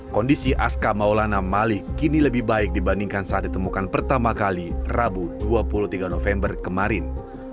kondisi aska maulana malik kini lebih baik dibandingkan saat ditemukan pertama kali rabu dua puluh tiga november kemarin